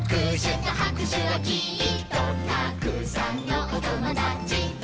「たくさんのおともだちと」